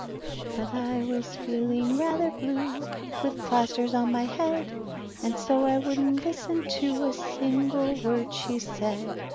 But I was feeling rather blue, With plasters on my head, And so I wouldn't listen to A single word she said.